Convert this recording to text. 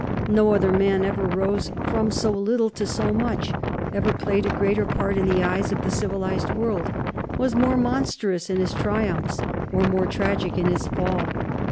No other man ever rose from so little to so much, ever played a greater part in the eyes of the civilized world, was more monstrous in his triumphs or more tragic in his fall.